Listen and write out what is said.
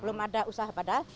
belum ada usaha padahal